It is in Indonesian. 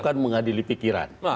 bukan mengadili pikiran